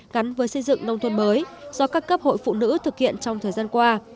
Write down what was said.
gắn với xây dựng nông thôn mới do các cấp hội phụ nữ thực hiện trong thời gian qua